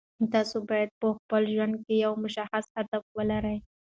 تاسو باید په خپل ژوند کې یو مشخص هدف ولرئ.